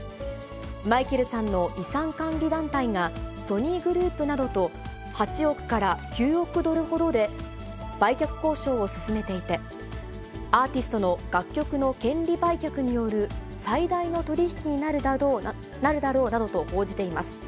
マイケルさんの遺産管理団体が、ソニーグループなどと、８億から９億ドルほどで売却交渉を進めていて、アーティストの楽曲の権利売却による最大の取り引きになるだろうなどと報じています。